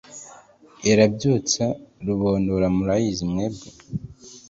irambyutsa rubondora murayizi mwebwe